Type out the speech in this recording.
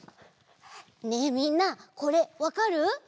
ねえみんなこれわかる？